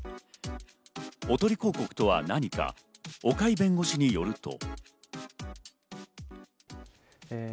おとり広告とは何か、岡井弁護士によると。